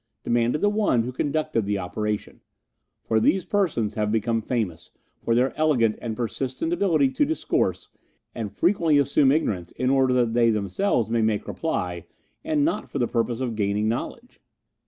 demanded the one who conducted the operation; for these persons have become famous for their elegant and persistent ability to discourse, and frequently assume ignorance in order that they themselves may make reply, and not for the purpose of gaining knowledge.